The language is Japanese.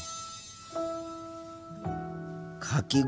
かき氷。